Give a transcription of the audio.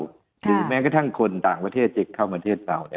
หรือแม้กระทั่งคนต่างประเทศจะเข้าประเทศเราเนี่ย